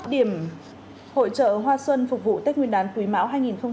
chín mươi một điểm hội chợ hoa xuân phục vụ tết nguyên đàn quý mão hai nghìn hai mươi ba